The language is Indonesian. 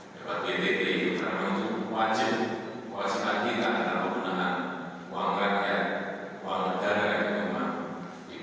dapat wtp itu merupakan wajib kewajiban kita untuk menggunakan uang rakyat uang negara yang dikeluarkan yang terbaik